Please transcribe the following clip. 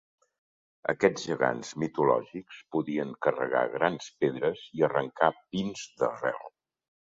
Aquests gegants mitològics podien carregar grans pedres i arrancar pins d'arrel.